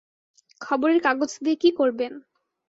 খবরের কাগজ দিয়ে কী করবেন?